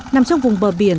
nằm trong vùng bờ biển